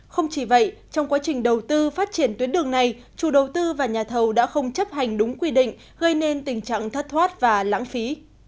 không chỉ vậy trong quá trình đầu tư phát triển tuyến đường này chủ đầu tư và nhà thầu đã không chấp hành đúng quy định gây nên tình trạng thất thoát và lãng phí